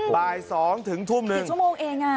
บ่าย๒๑ทุ่มหมดถือชั่วโมงเองอ่ะ